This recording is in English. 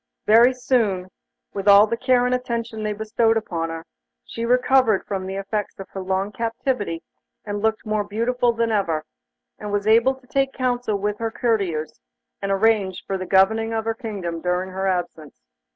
Very soon, with all the care and attention they bestowed upon her, she recovered from the effects of her long captivity and looked more beautiful than ever, and was able to take counsel with her courtiers, and arrange for the governing of her kingdom during her absence.